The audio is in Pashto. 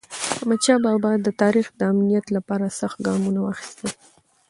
احمدشاه بابا د هیواد د امنیت لپاره سخت ګامونه واخیستل.